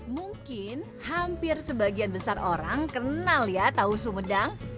mungkin hampir sebagian besar orang kenal ya tahu sumedang